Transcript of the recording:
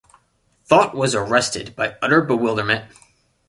Thought was arrested by utter bewilderment.